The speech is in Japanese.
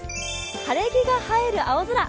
晴れ着が映える青空。